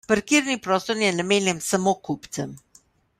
Parkirni prostor je namenjen samo kupcem.